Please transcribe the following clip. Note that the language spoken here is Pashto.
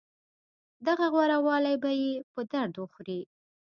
دغه غوره والی به يې په درد وخوري.